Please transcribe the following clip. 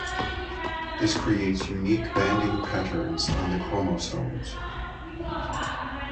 This creates unique banding patterns on the chromosomes.